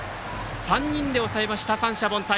３人で抑えました、三者凡退。